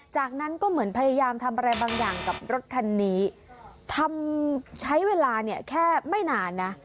จากนั้นก็เหมือนพยายามทำอะไรบางอย่างกับรถคันนี้ทำใช้เวลาเนี่ยแค่ไม่นานนะ